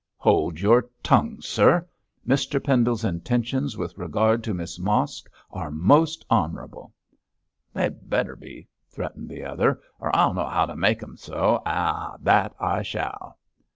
'Hold your tongue, sir. Mr Pendle's intentions with regard to Miss Mosk are most honourable.' 'They'd better be,' threatened the other, 'or I'll know how to make 'em so. Ah, that I shall.'